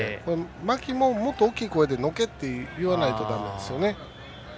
牧ももっと大きい声で、のけって言わないとだめですね。